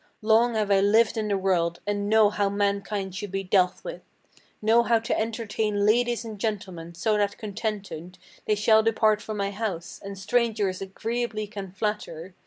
Long have I lived in the world, and know how mankind should be dealt with; Know how to entertain ladies and gentlemen so that contented They shall depart from my house, and strangers agreeably can flatter.